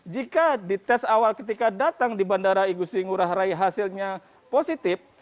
jika di tes awal ketika datang di bandara igusti ngurah rai hasilnya positif